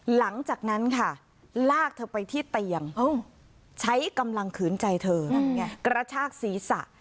หลังจากนั้นค่ะลากเธอไปที่เตียงใช้กำลังขืนใจเธอกระชากศีรษะ